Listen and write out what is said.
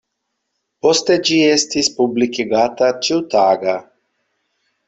Poste ĝi estis publikigata ĉiutaga.